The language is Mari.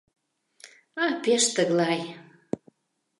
— А пеш тыглай.